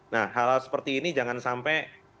nah hal hal seperti ini jangan sampai